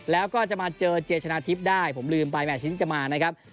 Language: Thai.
แล้วก็จะมาเจอเจชนะทิพย์ได้ผมลืมไปแม่ชิ้นจะมานะครับ